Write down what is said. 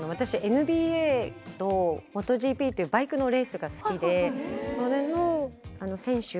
ＮＢＡとＭｏｔｏＧＰというバイクのレースが好きでそれの選手